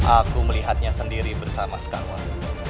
aku melihatnya sendiri bersama skanwar